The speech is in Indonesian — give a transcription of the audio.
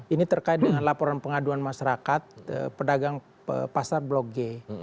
ini terkait dengan laporan pengaduan masyarakat pedagang pasar blok g